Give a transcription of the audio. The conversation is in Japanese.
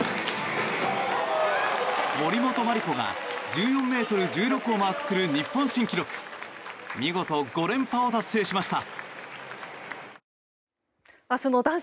森本麻里子が１４ｍ１６をマークし見事、５連覇を達成しました！